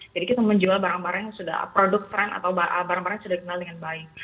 jadi kita menjual produk yang sudah trend atau barang barang yang sudah dikenal dengan baik